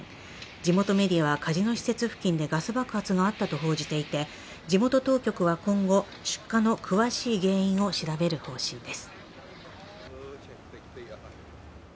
地元メディアはカジノ施設付近でガス爆発があったと報じていて地元当局は今後、出火の詳しい原因を調べる方針です。